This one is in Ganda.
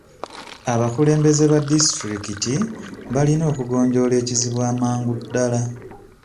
Abakulembeze ba disitulikiti balina okugonjoola ekizibu amangu ddala.